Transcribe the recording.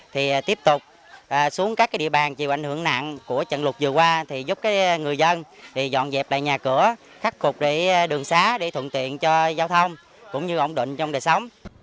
thì tiếp tục xuống các địa bàn chịu ảnh hưởng nặng của trận lụt vừa qua thì giúp người dân dọn dẹp lại nhà cửa khắc cục đường xá để thuận tiện cho giao thông cũng như ổn định trong đời sống